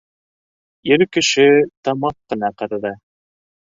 Ир кеше тамаҡ ҡына ҡырҙы.